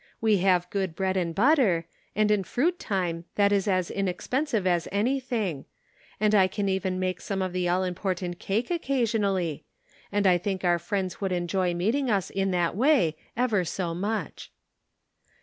We have good bread and butter, and in fruit time that is as inexpensive as anything; and I can even make some of the all important cake occasion ally ; and I think our friends would enjoy meeting us in that way ever so much."